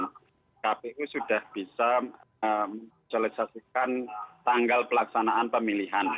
tkpu sudah bisa menjalisasikan tanggal pelaksanaan pemilihan ya